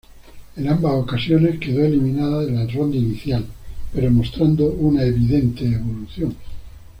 En ambas ocasiones quedó eliminada en la ronda inicial, pero mostrando una evidente evolución.